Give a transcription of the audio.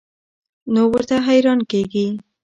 نو ورته حېران کيږي